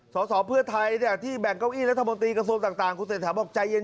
คุณเสริมถามบอกใจเย็น